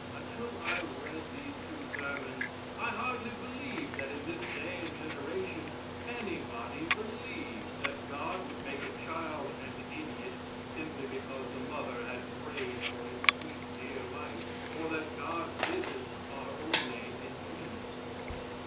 Until I read these two sermons I hardly believed that in this day and generation anybody believed that God would make a child an idiot simply because the mother had prayed for its sweet dear life, or that God's visits are only in dreams.